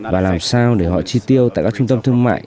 và làm sao để họ chi tiêu tại các trung tâm thương mại